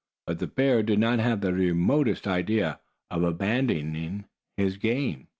But the bear did not have the remotest idea of abandoning his game.